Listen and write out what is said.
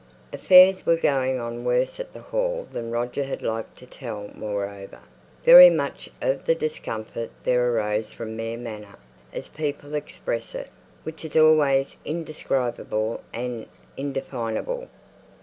Affairs were going on worse at the Hall than Roger had liked to tell. Moreover, very much of the discomfort there arose from "mere manner," as people express it, which is always indescribable and indefinable.